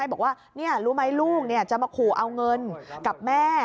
บอกว่ารู้ไหมลูกจะมาขู่เอาเงินกับแม่